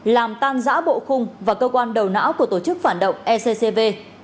làm tan giã bộ khung và cơ quan đầu não của tổ chức phản động eccv